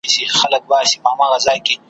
ژبه یې لمبه ده اور په زړه لري ,